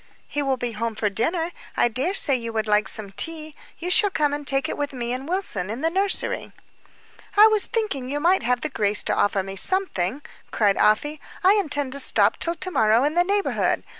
"He will be home to dinner. I dare say you would like some tea; you shall come and take it with me and Wilson, in the nursery." "I was thinking you might have the grace to offer me something," cried Afy. "I intend to stop till to morrow in the neighborhood.